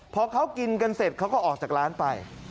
พอเขากินกันเสร็จเขาก็ออกจากร้านไป